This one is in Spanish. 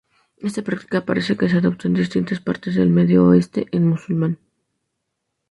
Esta práctica parece que se adoptó en distintas partes del medio oeste musulmán.